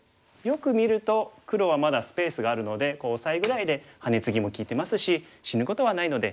よく見ると黒はまだスペースがあるのでオサエぐらいでハネツギも利いてますし死ぬことはないので。